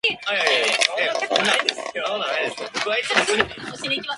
長野県南牧村